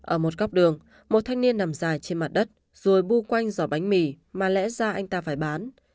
ở một góc đường một thanh niên nằm dài trên mặt đất rồi bu quanh giỏ bánh mì mà lẽ ra anh ta phải bán